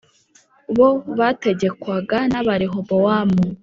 bo bategekwaga na Rehobowamu